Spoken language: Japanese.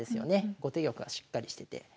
後手玉はしっかりしてて。